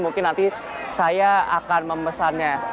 mungkin nanti saya akan memesannya